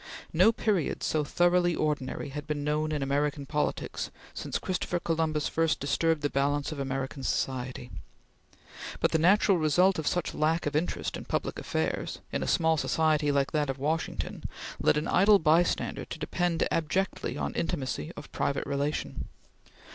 No period so thoroughly ordinary had been known in American politics since Christopher Columbus first disturbed the balance of American society; but the natural result of such lack of interest in public affairs, in a small society like that of Washington, led an idle bystander to depend abjectly on intimacy of private relation.